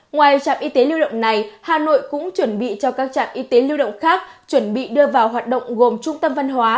ngoài trạm y tế lưu động này hà nội cũng chuẩn bị cho các trạm y tế lưu động khác chuẩn bị đưa vào hoạt động gồm trung tâm văn hóa